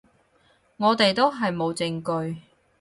我哋都係冇證據